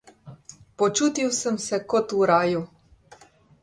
Počutil sem se kot v raju.